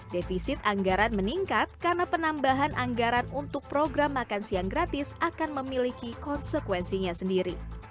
defisit anggaran meningkat karena penambahan anggaran untuk program makan siang gratis akan memiliki konsekuensinya sendiri